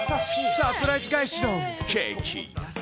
サプライズ返しのケーキ。